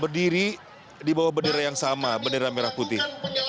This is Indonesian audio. berdiri di bawah bendera yang sama bendera merah putih